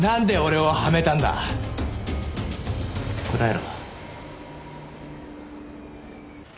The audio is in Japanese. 答えろ！